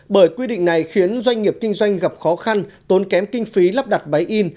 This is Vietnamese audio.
bởi quy định này khiến doanh nghiệp kinh doanh gặp khó khăn tốn kém kinh phí lắp đặt máy in